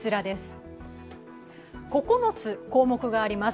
９つ項目があります。